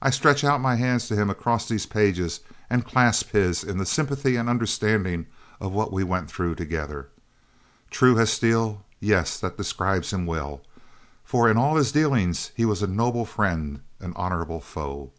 I stretch out my hands to him across these pages and clasp his in the sympathy and understanding of what we went through together. True as steel! Yes, that describes him well, for in all his dealings he was a noble friend, an honourable foe.